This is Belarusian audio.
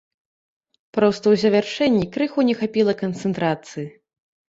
Проста ў завяршэнні крыху не хапіла канцэнтрацыі.